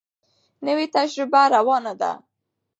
نوې تجربه روانه ده.